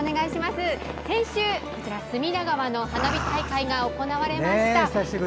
先週、隅田川の花火大会が行われました。